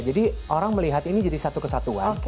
jadi orang melihat ini jadi satu kesatuan